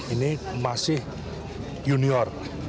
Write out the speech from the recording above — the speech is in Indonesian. ini masih junior